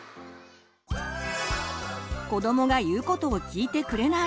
子どもが言うことを聞いてくれない！